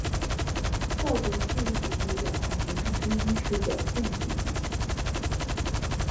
道德虚无主义的表达形式之一是表现主义。